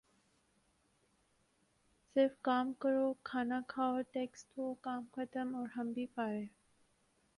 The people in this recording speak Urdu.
صرف کام کرو کھانا کھاؤ ٹیکس دو کام ختم اور ہم بھی فارخ